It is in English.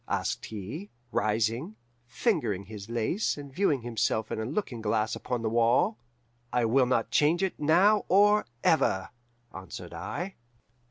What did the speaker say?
asked he, rising, fingering his lace, and viewing himself in a looking glass upon the wall. "'I will not change it now or ever,' answered I.